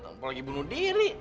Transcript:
apalagi bunuh diri